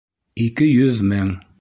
Ике йөҙ мең!